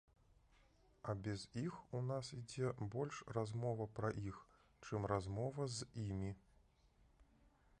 А без іх у нас ідзе больш размова пра іх, чым размова з імі.